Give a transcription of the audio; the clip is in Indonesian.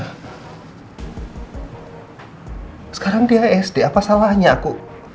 hai sekarang dia sd apa salahnya aku